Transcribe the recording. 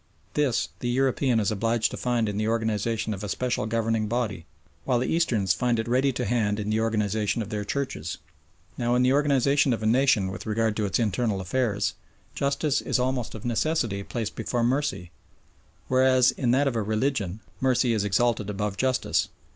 This the European is obliged to find in the organisation of a special governing body, while the Easterns find it ready to hand in the organisation of their Churches. Now in the organisation of a nation with regard to its internal affairs, justice is almost of necessity placed before mercy, whereas in that of a religion, mercy is exalted above justice.